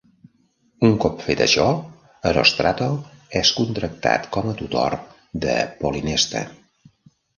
Un cop fet això, Erostrato és contractat com a tutor de Polynesta.